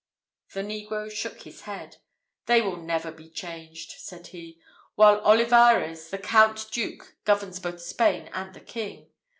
The negro shook his head. "They will never be changed," said he, "while Olivarez, the Count duke, governs both Spain and the king.